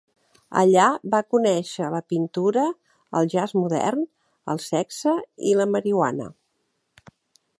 Allà va conèixer la pintura, el jazz modern, el sexe i la marihuana.